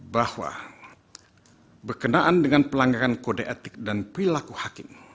bahwa berkenaan dengan pelanggaran kode etik dan perilaku hakim